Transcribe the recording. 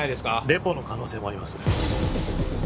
レポの可能性もあります